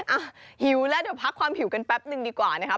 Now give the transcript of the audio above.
หิวแล้วเดี๋ยวพักความหิวกันแป๊บนึงดีกว่านะครับ